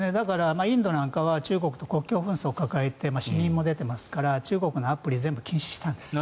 インドなんかは中国と国境紛争を抱えて死人も出ていますから中国のアプリを全部禁止したんです。